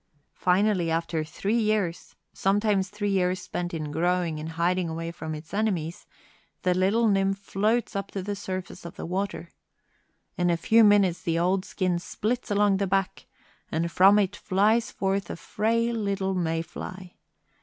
Finally, after three years sometimes three years spent in growing and hiding away from its enemies the little nymph floats up to the surface of the water. In a few minutes the old skin splits along the back, and from it flies forth a frail little May fly.